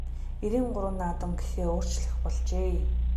Эрийн гурван наадам гэхээ өөрчлөх болжээ.